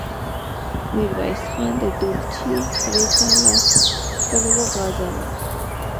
ميرويس خان د ډولچې پړي ته لاس ور وغځاوه.